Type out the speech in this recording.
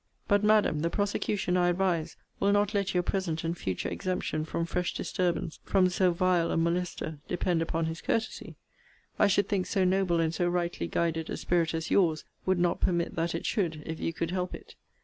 But, Madam, the prosecution I advise, will not let your present and future exemption from fresh disturbance from so vile a molester depend upon his courtesy: I should think so noble and so rightly guided a spirit as your's would not permit that it should, if you could help it.